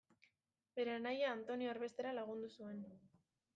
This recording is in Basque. Bere anaia Antonio erbestera lagundu zuen.